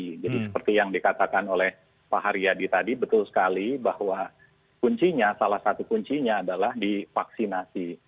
jadi seperti yang dikatakan oleh pak haryadi tadi betul sekali bahwa kuncinya salah satu kuncinya adalah di vaksinasi